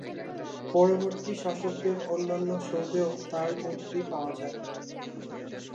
পরবর্তী শাসকদের অন্যান্য সৌধেও তাঁর মূর্তি পাওয়া যায়।